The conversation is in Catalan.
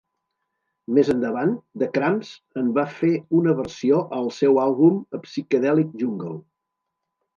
Més endavant, The Cramps en van fer una versió al seu àlbum "Psychedelic Jungle".